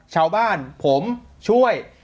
ชาวบ้านผมช่วย